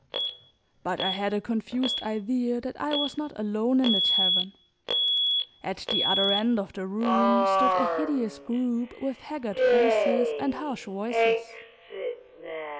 But I had a confused idea that I was not alone in the tavern. At the other end of the room stood a hideous group with haggard faces and harsh voices.